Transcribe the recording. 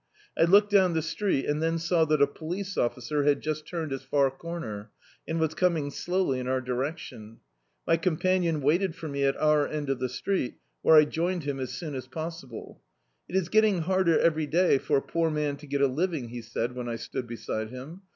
I looked down the street, and then saw that a police officer had just turned its far comer, and was coming slowly in our directi<ni. My com panion waited for me at our end of the street, where I joined him as soon as possible. "It is getting harder every day for a poor man to get a living," he said, when I stood beside him.